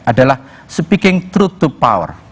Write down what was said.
adalah speaking throoth to power